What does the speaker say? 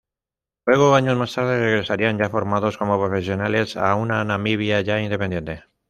Luego, años más tarde, regresarían ya formados como profesionales, a una Namibia ya independiente.